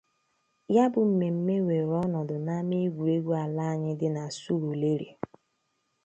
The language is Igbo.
Ya bụ mmemme wèèrè ọnọdụ n'ama egwuregwu ala anyị dị na Surulere